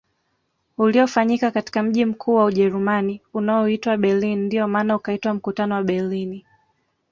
Uliofanyika katika mji mkuu wa Ujerumani unaoitwa Berlin ndio maana ukaitwa mkutano wa Berlini